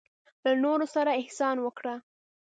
له نورو سره احسان وکړه.